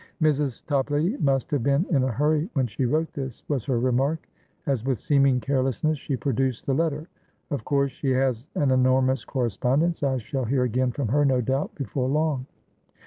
"Mrs. Toplady must have been in a hurry when she wrote this," was her remark, as, with seeming carelessness, she produced the letter. "Of course she has an enormous correspondence. I shall hear again from her, no doubt, before long."